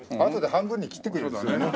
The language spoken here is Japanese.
あとで半分に切ってくれればね。